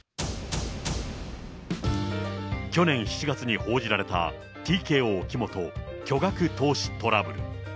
去年７月に報じられたＴＫＯ木本巨額投資トラブル。